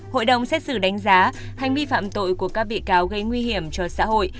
hội đồng xét xử đánh giá hành vi phạm tội của các bị cáo gây nguy hiểm cho xã hội